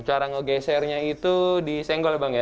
cara ngegesernya itu disenggol ya bang ya